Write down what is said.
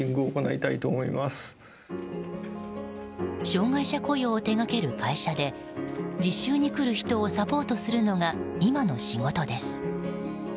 障害者雇用を手掛ける会社で実習に来る人をサポートするのが今の仕事です。